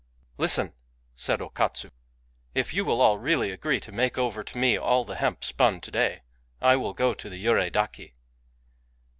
^^ Listen," said O Katsu ;" if you will all really agree to make over to me all the hemp spun to day, I will go to the Yurei Daki."